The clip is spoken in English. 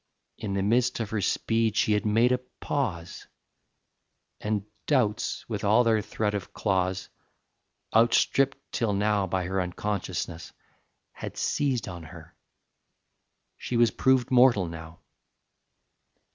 In the midst of her speed she had made pause, And doubts with all their threat of claws, Outstripped till now by her unconsciousness, Had seized on her; she was proved mortal now.